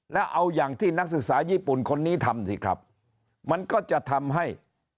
แล้วเอาอย่างที่นักศึกษาญี่ปุ่นคนนี้ทำสิครับมันก็จะทำให้